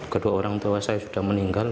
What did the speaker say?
kedua orang tua saya sudah meninggal